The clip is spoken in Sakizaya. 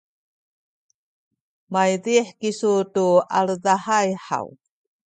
maydih kisu tu aledahay haw?